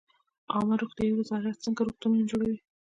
عامې روغتیا وزارت څنګه روغتونونه جوړوي؟